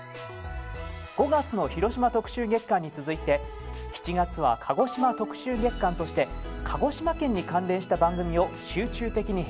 ５月の広島特集月間に続いて７月は鹿児島特集月間として鹿児島県に関連した番組を集中的に編成。